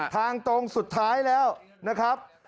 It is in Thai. ทางตรงสุดท้ายแล้วนะครับ